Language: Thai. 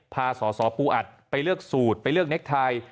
พาสอสอปูอัดไปเลือกสูตรไปเลือกเน็กไทย